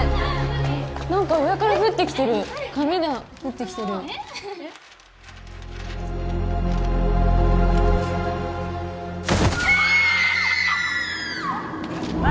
何か上から降ってきてる紙だ降ってきてるキャーッ！